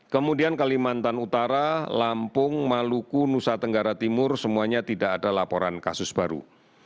kemudian kalimantan utara lampung maluku nusa tenggara timur semuanya tidak ada laporan kasus baru